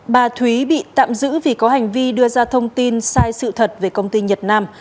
bà thúy bị tạm giữ vì có hành vi đưa ra thông tin sai sự thật về công ty nhật nam